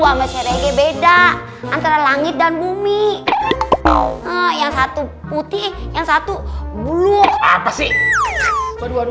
sama serege beda antara langit dan bumi yang satu putih yang satu bulu apa sih baru baru